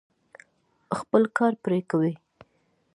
خپل کار پرې کوي.